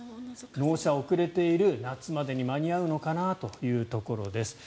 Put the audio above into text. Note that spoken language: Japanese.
納車が遅れている夏までに間に合うのかなというところです。